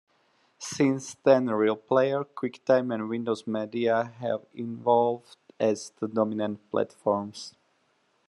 Since then RealPlayer, QuickTime and Windows Media have evolved as the dominant platforms.